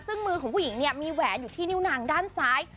ซึ่งมือของผู้หญิงเนี่ยมีแหวนอยู่ที่นิ้วนางด้านซ้าย